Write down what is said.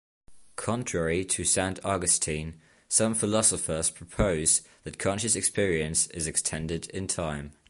Contrary to Saint Augustine, some philosophers propose that conscious experience is extended in time.